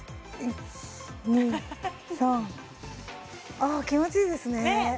あ気持ちいいですねえ